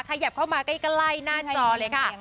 ขยับเข้ามาใกล้หน้าจอเลยค่ะ